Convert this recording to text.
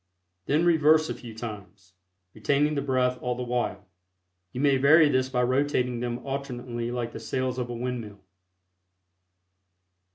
Then reverse a few times, retaining the breath all the while. You may vary this by rotating them alternately like the sails of a windmill.